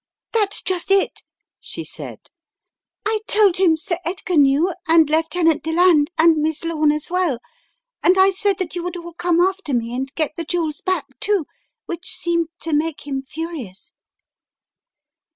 "That's just it," she said. "I told him Sir Edgar knew and Lieutenant Deland and Miss Lome as well and I said that you would all come after me and get the jewels back, too, which seemed to make him furi ous."